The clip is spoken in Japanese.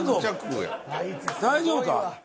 大丈夫か？